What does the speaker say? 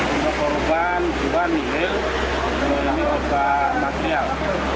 untuk korban juga nihil ini juga material